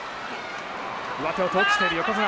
上手を取ろうとしている横綱。